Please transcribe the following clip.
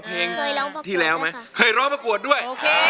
เคยเล่าประกวดด้วย